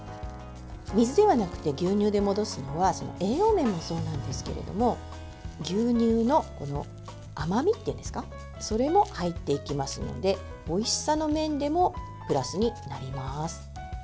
水ではなくて牛乳で戻すのは栄養面もそうなんですけれども牛乳の甘みというんですかそれも入っていきますのでおいしさの面でもプラスになります。